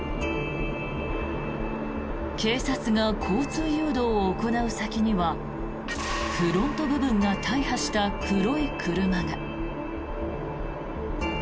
警察が交通誘導を行う先にはフロント部分が大破した黒い車が。